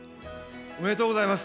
おめでとうございます。